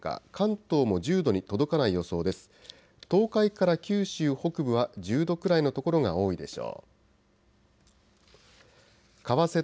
東海から九州北部は１０度くらいの所が多いでしょう。